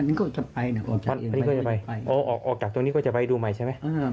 วันนี้ก็จะไปออกจากตรงนี้ก็จะไปดูใหม่ใช่ไหม